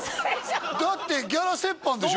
だってギャラ折半でしょ？